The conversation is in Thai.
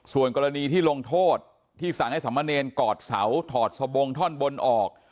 ส่วนกรณีที่ลงโทษที่สั่งให้สมเนรกอดเสาถอดสบงท่อนบนออก